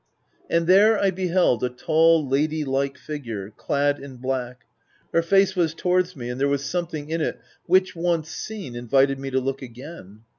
And there I beheld a tall, lady like figure, clad in black. Her face was towards me, and there was something in it, which, once seen* invited me to look again.